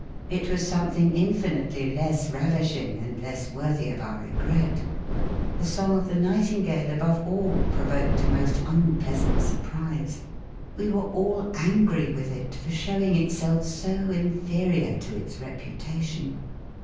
It was something infinitely less ravishing and less worthy of our regret. The song of the nightingale above all provoked a most unpleasant surprise. We were all angry with it for showing itself so inferior to its reputation.